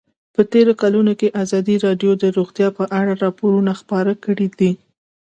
په تېرو کلونو کې ازادي راډیو د روغتیا په اړه راپورونه خپاره کړي دي.